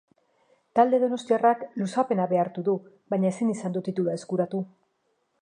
Talde donostiarrak luzapena behartu du, baina ezin izan du titulua eskuratu.